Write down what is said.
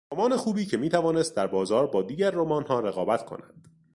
رمان خوبی که میتوانست در بازار با دیگر رمانها رقابت کند